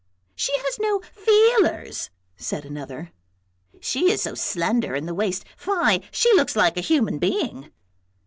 " She has no feelers," said another. " She is so slender in the waist, fie, she looks like a human being."